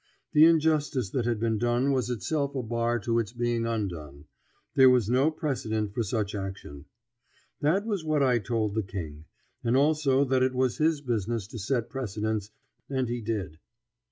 The injustice that had been done was itself a bar to its being undone; there was no precedent for such action. That was what I told the King, and also that it was his business to set precedents, and he did.